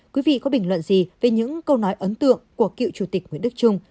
quý vị có bình luận gì về những câu nói ấn tượng của cựu chủ tịch nguyễn đức trung